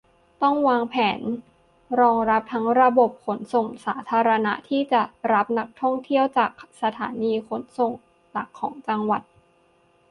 ต้องวางแผนรองรับ ทั้งระบบขนส่งสาธารณะ ที่จะรับนักท่องเที่ยวจากสถานีขนส่งหลักของจังหวัด